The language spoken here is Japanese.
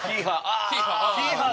「ヒーハー！